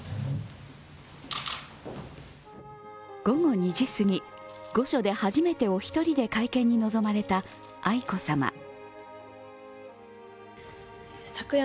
午後２時すぎ、御所で初めてお一人で会見に臨まれた愛子さま。